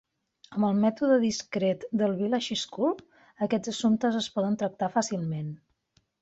Amb el mètode discret del Village School aquests assumptes es poden tractar fàcilment.